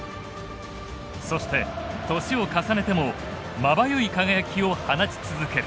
そして年を重ねてもまばゆい輝きを放ち続ける。